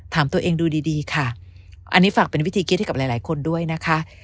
ถามตัวเองดูดีดีค่ะอันนี้ฝากเป็นวิธีคิดให้กับหลายหลายคนด้วยนะคะ